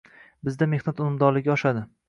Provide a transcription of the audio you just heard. Bizda mehnat unumdorligi oshadi